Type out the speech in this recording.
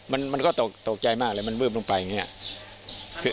มันมันก็ตกตกใจมากเลยมันเบื้บลงไปอย่างเงี้ยคือ